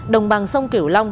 đồng bằng sông kiểu long